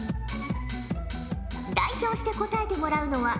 代表して答えてもらうのはゆうちゃみ。